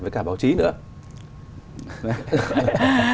với cả báo chí nữa